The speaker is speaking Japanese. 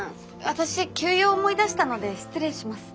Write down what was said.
私急用を思い出したので失礼します。